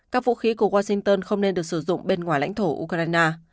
các vũ khí của washington không nên được sử dụng bên ngoài lãnh thổ ukraine